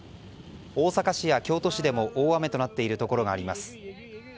大阪市や京都市でも大雨となっているところがあります。